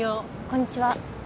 こんにちは。